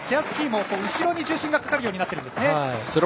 スキーも後ろに重心がかかるようになっているんですね。